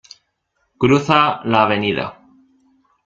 Cruza la Av.